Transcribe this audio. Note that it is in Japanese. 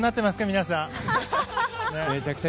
皆さん。